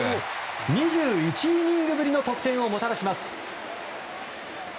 ２１イニングぶりの得点をもたらします。